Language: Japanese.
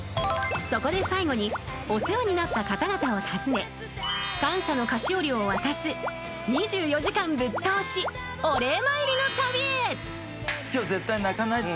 そこで最後にお世話になった方々を訪ね感謝の菓子折りを渡す２４時間ぶっ通しお礼参りの旅へ。